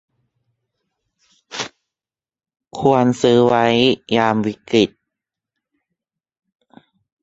ควรซื้อไว้ยามวิกฤต